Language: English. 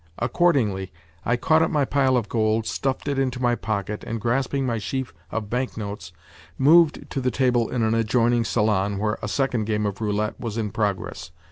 Accordingly, I caught up my pile of gold, stuffed it into my pocket, and, grasping my sheaf of bank notes, moved to the table in an adjoining salon where a second game of roulette was in progress.